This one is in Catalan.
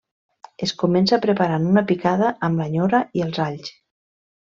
Es comença preparant una picada amb la nyora i els alls.